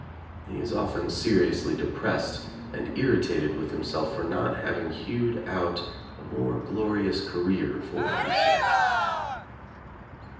He is often seriously depressed and irritated with himself for not having hewed out a more glorious career for himself.